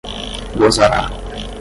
gozará